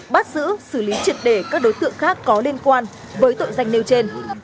bắt giữ xử lý triệt để các đối tượng khác có liên quan với tội danh nêu trên